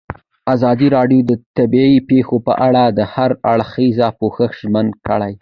ازادي راډیو د طبیعي پېښې په اړه د هر اړخیز پوښښ ژمنه کړې.